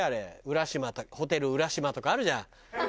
浦島ホテル浦島とかあるじゃん。